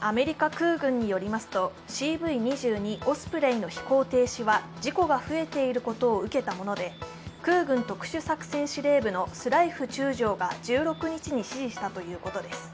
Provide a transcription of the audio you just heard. アメリカ空軍によりますとＣＶ２２オスプレイの飛行停止は事故が増えていることを受けたもので空軍特殊作戦司令部のスライフ中将が１６日に指示したということです。